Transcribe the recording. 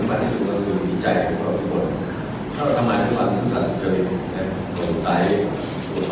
พอดูก็ไม่ไปรู้